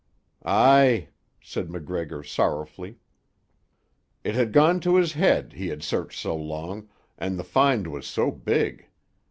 "Aye," said MacGregor sorrowfully. "It had gone to his head, he had searched so long, and the find was so big.